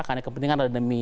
karena kepentingan adalah demi